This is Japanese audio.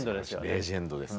レジェンドです。